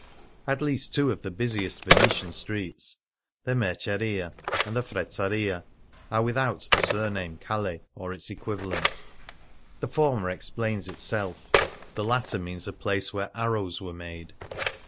At least two of the busiest Venetian streets — the " Merceria " and the " Frezzaria "— are without the surname calle or its equivalent. The former explains itself; the latter means a place where arrows were made.